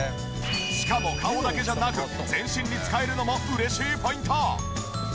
しかも顔だけじゃなく全身に使えるのも嬉しいポイント。